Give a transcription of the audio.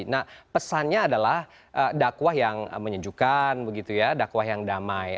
nah pesannya adalah dakwah yang menyejukkan begitu ya dakwah yang damai